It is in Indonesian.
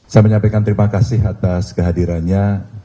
saya menyampaikan terima kasih atas kehadirannya